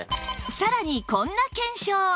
さらにこんな検証